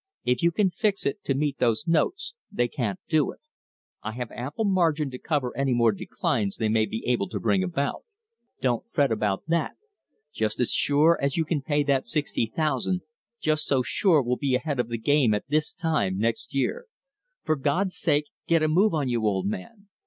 "If you can fix it to meet those notes, they can't do it. I have ample margin to cover any more declines they may be able to bring about. Don't fret about that. Just as sure as you can pay that sixty thousand, just so sure we'll be ahead of the game at this time next year. For God's sake get a move on you, old man.